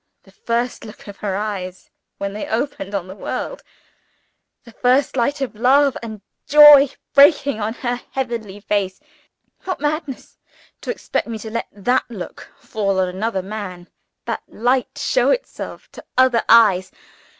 The first look of her eyes when they opened on the world; the first light of love and joy breaking on her heavenly face what madness to expect me to let that look fall on another man, that light show itself to other eyes!